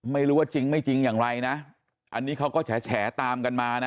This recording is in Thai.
ไม่รู้ว่าจริงไม่จริงอย่างไรนะอันนี้เขาก็แฉตามกันมานะ